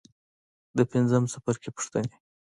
د پنځم څپرکي پوښتنې.